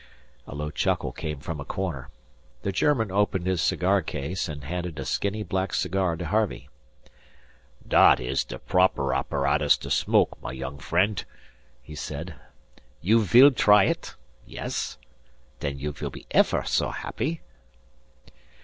A low chuckle came from a corner. The German opened his cigar case and handed a skinny black cigar to Harvey. "Dot is der broper apparatus to smoke, my young friendt," he said. "You vill dry it? Yes? Den you vill be efer so happy."